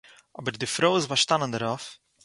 אָבער די פרוי איז באַשטאַנען דערויף